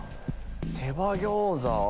手羽餃子？